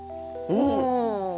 うん。